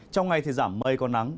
trong ngày thì giảm mây còn nắng